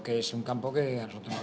bukan bagian dari strategi saya